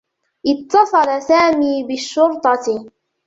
اتّصل سامي بالشّرطة.